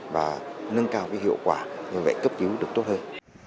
và nâng cao hiệu quả như vậy cấp cứu được tốt hơn